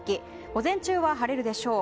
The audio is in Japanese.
午前中は晴れるでしょう。